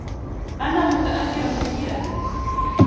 أنا متأثّر كثيرا.